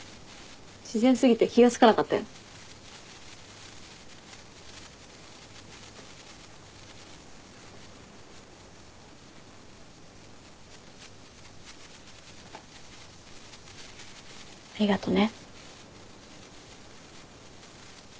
自然すぎて気が付かなかったよ。ありがとね。